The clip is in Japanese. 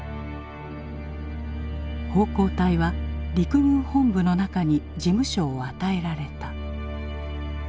奉公隊は陸軍本部の中に事務所を与えられた。